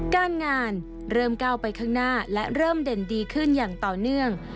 การงานเริ่มก้าวไปข้างหน้าและเริ่มเด่นดีขึ้นอย่างต่อเนื่อง